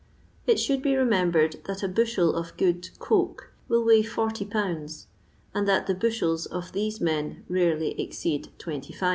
It should be remembered that a bushel of good coke will weigh 40 lbs., and that the bushels of these men rarely ezceeid 25 lbs.